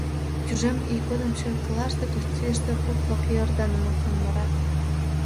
Тӱжем ий годым черкылаште, костельыште поп-влак Иорданым моктен мурат.